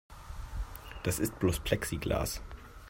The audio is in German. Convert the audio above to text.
Das ist bloß Plexiglas.